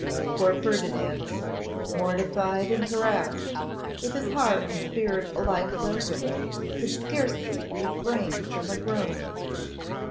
Poor Ferdinand, mortified and harassed, with his heart and spirit alike broken, could scarcely refrain from a groan.